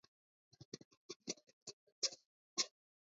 ხილვადობის საუკეთესო პირობებია დეკემბერ-იანვარში.